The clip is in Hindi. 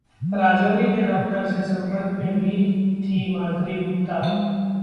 राजौरी के डॉक्टर से संपर्क में भी थीं माधुरी गुप्ता